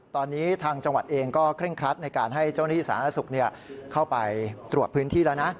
ตอนนี้ทางจังหวัดเองก็เคร่งครัดในการให้เจ้าหน้าที่สาธารณสุขเข้าไปตรวจพื้นที่แล้วนะ